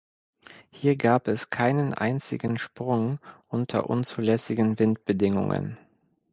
Hier gab es keinen einzigen Sprung unter unzulässigen Windbedingungen.